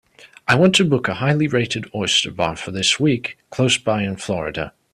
I want to book a highly rated oyster bar for this week close by in Florida.